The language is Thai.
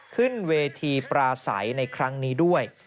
ขึ้นเวทีปราศัยในครั้งนี้ด้วย